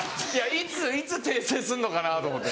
いつ訂正すんのかなと思って。